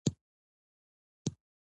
دواړه خواوي به مجرمین یو بل ته تسلیموي.